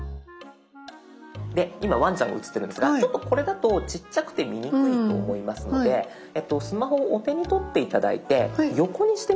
今ワンちゃんが映ってるんですがちょっとこれだとちっちゃくて見にくいと思いますのでスマホをお手に取って頂いて横にしてみて下さい。